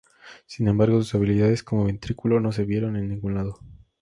Sin embargo, sus habilidades como ventrílocuo no se vieron en ningún lado.